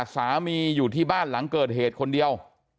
อยู่ที่บ้านหลังเกิดเหตุคนเดียว